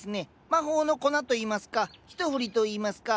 魔法の粉といいますかひと振りといいますか。